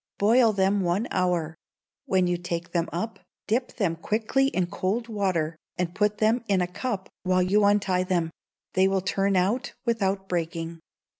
Boil them one hour; when you take them up, dip them quickly in cold water, and put them in a cup while you untie them; they will turn out without breaking.